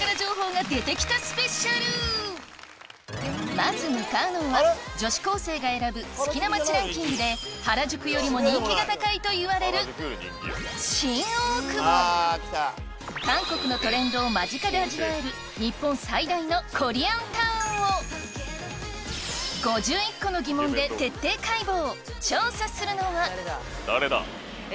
まず向かうのは女子高生が選ぶ好きな街ランキングで原宿よりも人気が高いといわれる韓国のトレンドを間近で味わえる日本最大のコリアンタウンを調査するのはえ